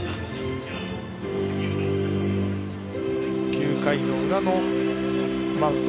９回の裏のマウンド